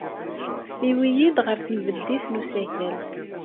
Yewwi-iyi-d ɣer tenbeddit n usakal.